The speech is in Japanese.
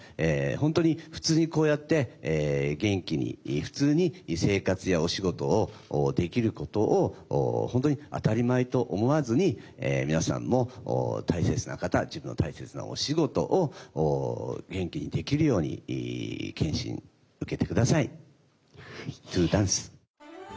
本当に普通にこうやって元気に普通に生活やお仕事をできることを本当に当たり前と思わずに皆さんも大切な方自分の大切なお仕事を元気にできるように検診受けて下さい。